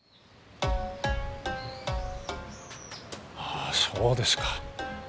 あそうですか。